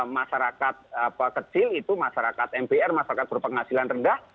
masyarakat kecil itu masyarakat mpr masyarakat berpenghasilan rendah